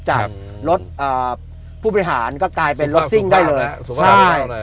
จากรถผู้บริหารก็กลายเป็นรถซิ่งได้เลยใช่